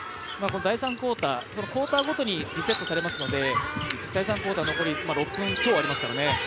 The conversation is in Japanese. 第３クオーター、クオーターごとにリセットされますので第３クオーター残り６分強ありますからね。